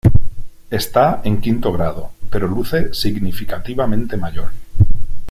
Está en quinto grado, pero luce significativamente mayor.